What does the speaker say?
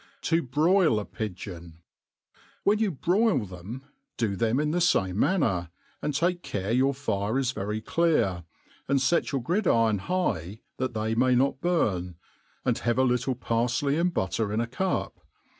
To hn}l^ BJ^m^ ^iyHEN you broil them, do them in the .fap[ie o^anner, and take care your fjre is vfery clear, and fet your gridiron iiigbi that they may not burn, and have a little parfley and i^utt^r 'm a cup.